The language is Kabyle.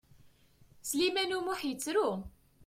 Sliman U Muḥ yettru.